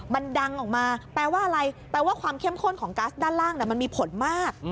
มันดังออกมาแปลว่าอะไรแปลว่าความเข้มข้นของกัสด้านล่างมันมีผลมาก